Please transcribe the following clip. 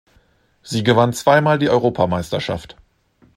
Sie gewann zweimal die Europameisterschaft.